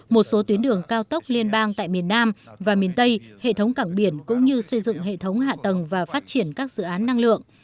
một số tuyến đường cao tốc liên bang tại miền nam và miền tây hệ thống cảng biển cũng như xây dựng hệ thống hạ tầng và phát triển các dự án năng lượng